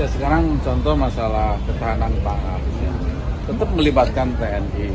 sekarang contoh masalah ketahanan pangan tetap melibatkan tni